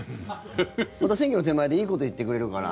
また選挙の手前でいいこと言ってくれるから。